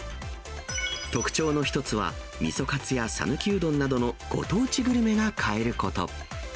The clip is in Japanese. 特徴の一つは、みそかつやさぬきうどんなどのご当地グルメが買えること。